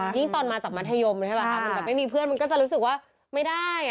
ตอนมาจากมัธยมใช่ป่ะคะมันแบบไม่มีเพื่อนมันก็จะรู้สึกว่าไม่ได้